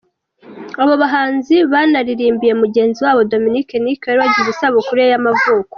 Abo bahanzi banaririmbiye mugenzi wabo Dominiki Niki wari wagize isabukuru ye y’amavuko.